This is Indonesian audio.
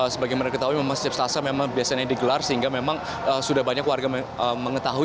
sebagai mana ketahui memang setiap selasa memang biasanya digelar sehingga memang sudah banyak warga mengetahui